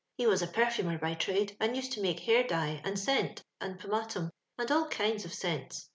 He was a perfumer by trade, and used to make balr^Te, and scent, and pomatum, and all kinds of scents.